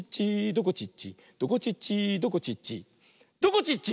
「どこちっちどこちっちどこちっちどこちっち」